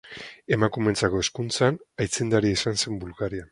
Emakumeentzako hezkuntzan aitzindaria izan zen Bulgarian.